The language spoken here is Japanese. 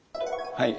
はい。